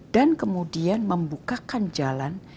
dan kemudian membukakan jalan